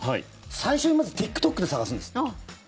最初にまず、ＴｉｋＴｏｋで探すんですって。